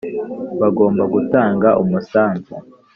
Bagomba gutanga umusanzu .